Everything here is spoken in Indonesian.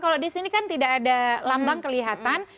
kalau di sini kan tidak ada lambang kelihatan